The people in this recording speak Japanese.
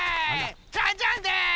ジャンジャンです！